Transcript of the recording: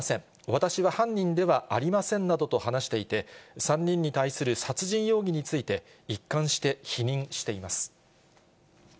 私は犯人ではありませんなどと話していて、３人に対する殺人容疑について、一貫して否認しています。